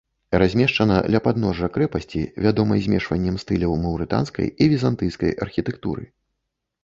Размешчана ля падножжа крэпасці, вядомай змешваннем стыляў маўрытанскай і візантыйскай архітэктуры.